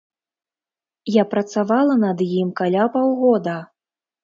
Я працавала над ім каля паўгода.